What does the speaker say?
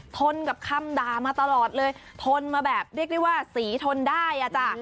ทนกับคำด่ามาตลอดเลยทนมาแบบเรียกได้ว่าสีทนได้อ่ะจ้ะ